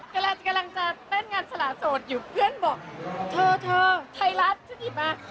กำลังจะเต้นงานสละโสดอยู่เพื่อนบอกเธอเธอไทยรัฐฉันหยิบมา